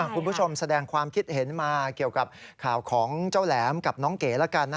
คุณผู้ชมแสดงความคิดเห็นมาเกี่ยวกับข่าวของเจ้าแหลมกับน้องเก๋แล้วกัน